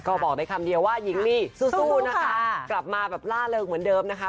ก็บอกได้คำเดียวว่าหญิงลีสู้นะคะกลับมาแบบล่าเริงเหมือนเดิมนะคะ